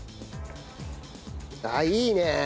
あっいいね！